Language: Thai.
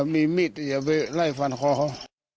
มีมีดอย่าไปไล่ฟันคอเขา